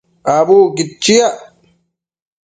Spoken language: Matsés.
Abucquid chiac